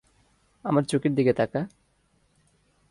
আমার চোখের দিকা তাকা।